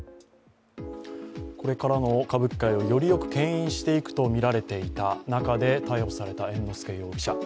これからの歌舞伎界をよりよくけん引していくとみられていた中で逮捕された猿之助容疑者。